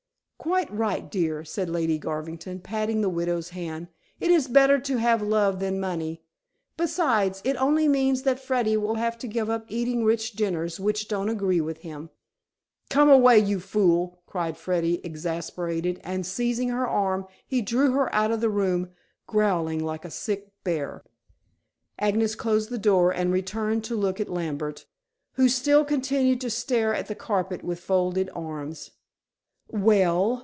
"Quite right, dear," said Lady Garvington, patting the widow's hand. "It is better to have love than money. Besides, it only means that Freddy will have to give up eating rich dinners which don't agree with him." "Come away, you fool!" cried Freddy, exasperated, and, seizing her arm, he drew her out of the room, growling like a sick bear. Agnes closed the door, and returned to look at Lambert, who still continued to stare at the carpet with folded arms. "Well?"